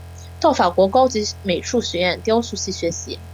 到法国高级美术学院雕塑系学习。